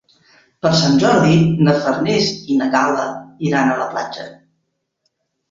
Per Sant Jordi na Farners i na Gal·la iran a la platja.